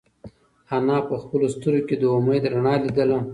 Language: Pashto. انا په خپلو سترگو کې د امید رڼا لیدله.